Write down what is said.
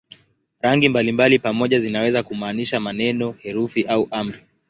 Rangi mbalimbali pamoja zinaweza kumaanisha maneno, herufi au amri.